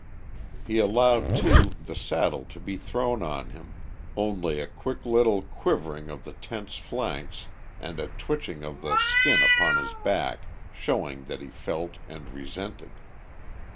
He allowed, too, the saddle to be thrown on him, only a quick little quivering of the tense flanks and a twitching of the skin upon his back showing that he felt and resented.